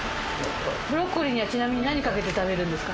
ブロッコリーにはちなみに何かけて食べるんですか？